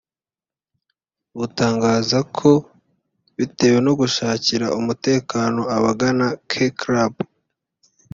butangaza ko bitewe no gushakira umutekano abagana K-Club